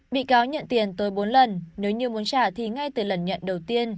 bị cáo nhận tiền tới bốn lần nếu như muốn trả thì ngay từ lần nhận đầu tiên